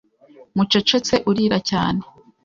Mucecetse urira cyane